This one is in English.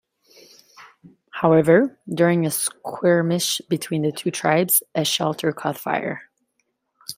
However, during a skirmish between the two tribes, a shelter caught fire.